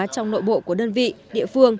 trong nội bộ của đơn vị địa phương